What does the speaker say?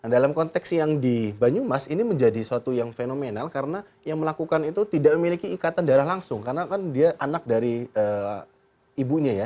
dalam konteks yang di banyumas ini menjadi suatu yang fenomenal karena yang melakukan itu tidak memiliki ikatan darah langsung karena kan dia anak dari ibunya ya